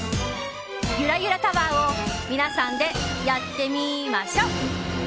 ゆらゆらタワーを皆さんで、やってみましょ！